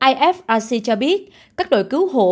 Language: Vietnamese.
ifrc cho biết các đội cứu hộ